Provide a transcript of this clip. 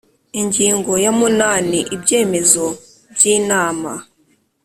Ingingo ya munani Ibyemezo by inama